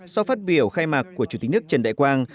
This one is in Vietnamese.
sau phát biểu khai mạc của chủ tịch nước trần đại quang